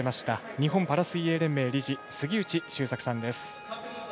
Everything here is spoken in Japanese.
日本パラ水泳連盟理事杉内周作さんです。